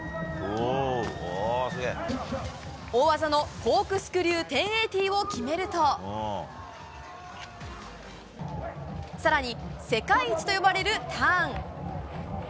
大技のコークスクリュー１０８０を決めると更に世界一と呼ばれるターン。